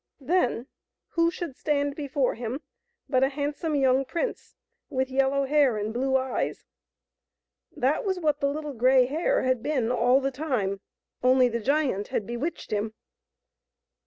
Then who should stand before him but a handsome young prince, with yellow hair and blue eyes. That was what the Little Grey Hare had been all the time, only the giant had bewitched him.